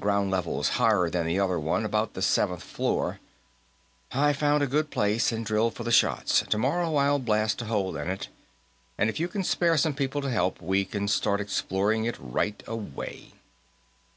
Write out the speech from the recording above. Ground level's higher than the other one, about the seventh floor. I found a good place and drilled for the shots; tomorrow I'll blast a hole in it, and if you can spare some people to help, we can start exploring it right away."